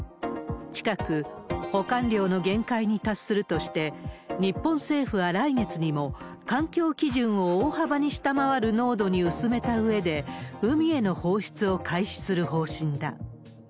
近く保管量の限界に達するとして、日本政府は来月にも、環境基準を大幅に下回る濃度に薄めたうえで、海への放出を開始する方針だ。